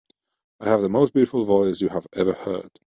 I have the most beautiful voice you have ever heard.